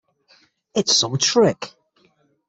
It's some trick.